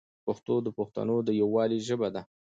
پښتو د پښتنو د یووالي ژبه ده.